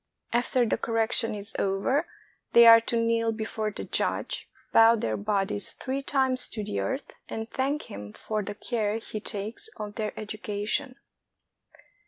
After the cor rection is over, they are to kneel before the judge, bow their bodies three times to the earth, and thank him for the care he takes of their education.